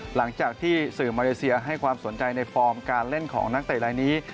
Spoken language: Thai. หลังจากที่สื่อมาเลเซียให้ความสนใจในฟอร์มการเล่นของนักเตะลายนี้